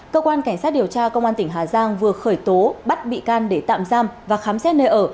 cơ quan cảnh sát điều tra công an tỉnh hà giang vừa khởi tố bắt bị can để tạm giam và khám xét nơi ở